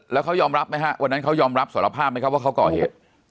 แล้วเขายอมรับไหมฮะวันนั้นเขายอมรับสารภาพไหมครับว่าเขาก่อเหตุ